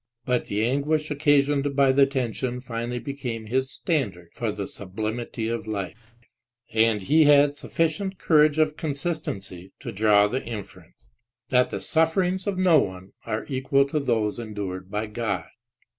But the anguish occasioned by the tension finally became his standard for the sublimity of life, and he had sufficient courage of consistency to draw the inference, that the sufferings of no one are equal to those endured by God!